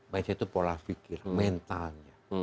mindset itu pola fikir mentalnya